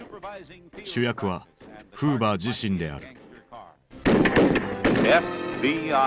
主役はフーバー自身である。